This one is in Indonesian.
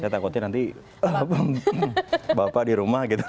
saya takutnya nanti bapak di rumah gitu